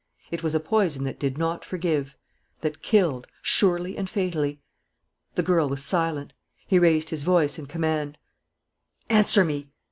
It was a poison that did not forgive, that killed, surely and fatally. The girl was silent. He raised his voice in command: "Answer me!